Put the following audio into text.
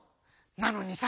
なのにさ